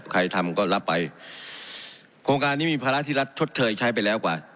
ใครทำก็รับไปโครงการนี้มีภาระที่รัฐชดเชยใช้ไปแล้วกว่า